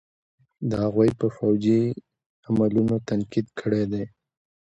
د هغوئ په فوجي عملونو تنقيد کړے دے.